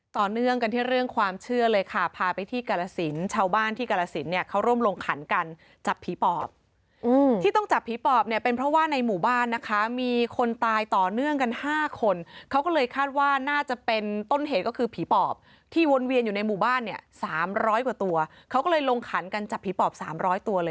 ต่อเนื่องกันที่เรื่องความเชื่อเลยค่ะพาไปที่กาลสินชาวบ้านที่กาลสินเนี่ยเขาร่วมลงขันกันจับผีปอบที่ต้องจับผีปอบเนี่ยเป็นเพราะว่าในหมู่บ้านนะคะมีคนตายต่อเนื่องกัน๕คนเขาก็เลยคาดว่าน่าจะเป็นต้นเหตุก็คือผีปอบที่วนเวียนอยู่ในหมู่บ้านเนี่ย๓๐๐กว่าตัวเขาก็เลยลงขันกันจับผีปอบ๓๐๐ตัวเลย